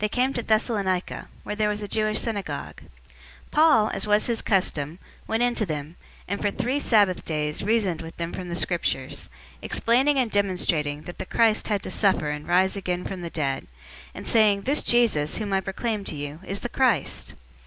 017:002 Paul, as was his custom, went in to them, and for three Sabbath days reasoned with them from the Scriptures, 017:003 explaining and demonstrating that the Christ had to suffer and rise again from the dead, and saying, "This Jesus, whom I proclaim to you, is the Christ."